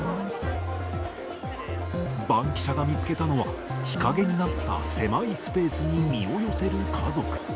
バンキシャが見つけたのは、日陰になった狭いスペースに身を寄せる家族。